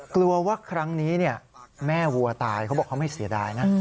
กลัวว่าครั้งนี้แม่วัวตายเขาบอกเขาไม่เสียดายนะ